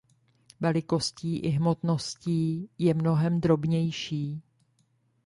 Velikostí i hmotností je mnohem drobnější.